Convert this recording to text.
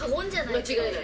間違いない。